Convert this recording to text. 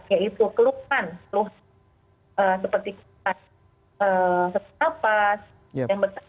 yaitu keluhan keluh seperti sakit nafas yang berkata